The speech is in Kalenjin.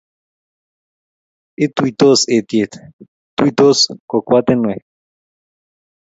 Ituitos eitiet, tuitos kokwatinek